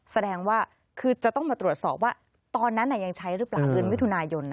แสดงว่าคือจะต้องมาตรวจสอบว่าตอนนั้นยังใช้หรือเปล่าเดือนมิถุนายน